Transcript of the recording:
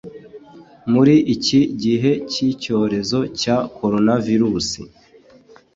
muri iki gihe cy'icyorezo cya coronavirus.